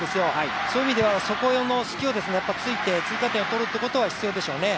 そういう意味ではそこの隙を突いて追加点を取るということは重要でしょうね。